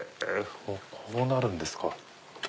こうなるんですか。